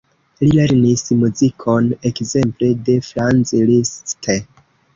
Li lernis muzikon ekzemple de Franz Liszt.